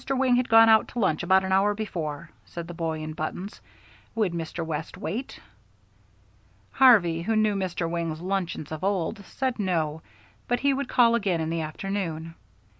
Wing had gone out to lunch about an hour before," said the boy in buttons. "Would Mr. West wait?" Harvey, who knew Mr. Wing's luncheons of old, said no, but he would call again in the afternoon.